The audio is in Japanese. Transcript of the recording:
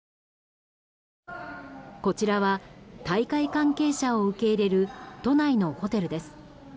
こちらは大会関係者を受け入れる都内のホテルです。